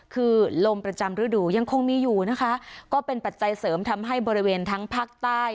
คือลมประจำฤดูยังคงมีอยู่นะคะก็เป็นปัจจัยเสริมทำให้บริเวณทั้งภาคใต้